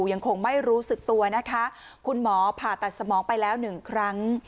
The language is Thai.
ยังคงไม่รู้สึกตัวนะคะคุณหมอผ่าตัดสมองไปแล้วหนึ่งครั้ง